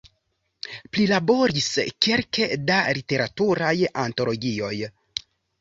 Prilaboris kelke da literaturaj antologioj.